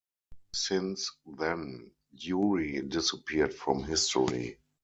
Since then, Yury disappeared from history.